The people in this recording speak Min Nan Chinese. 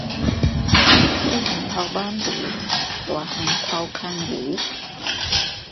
細漢偷挽匏，大漢偷牽牛